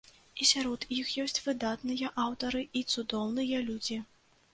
І сярод іх ёсць выдатныя аўтары і цудоўныя людзі.